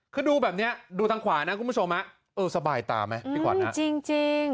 คือดูแบบเนี้ยดูทางขวานะคุณผู้ชมเออสบายตาไหมพี่ขวัญนะจริง